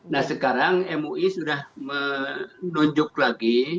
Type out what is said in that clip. nah sekarang mui sudah menunjuk lagi